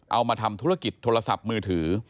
เอามาทำธุรกิจโทรศัพท์มือถือ